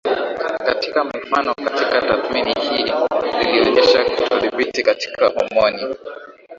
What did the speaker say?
Katika mifanokatika tathmini hii zilionyesha kutodhbitika katika homoni